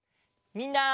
みんな！